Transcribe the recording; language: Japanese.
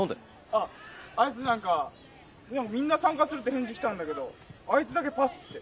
あいつ何かみんな参加するって返事来たんだけどあいつだけパスって。